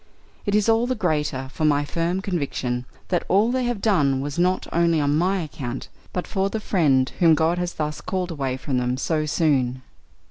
It is all the greater, from my firm conviction that all they have done was not only on my own account, but for the friend whom God has thus called away from them so soon.